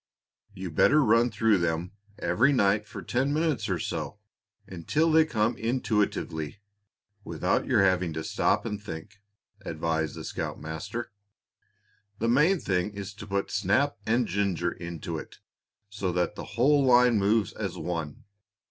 "You'd better run through them every night for ten minutes or so until they come intuitively, without your having to stop and think," advised the scoutmaster. "The main thing is to put snap and ginger into it, so that the whole line moves as one.